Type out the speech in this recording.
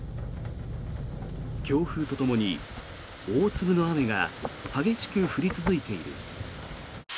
強風とともに大粒の雨が激しく降り続いている。